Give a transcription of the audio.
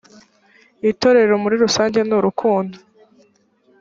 itorero muri rusange nurukundo